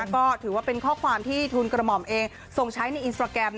ก็ถือว่าเป็นข้อความที่ทุนกระหม่อมเองส่งใช้ในอินสตราแกรม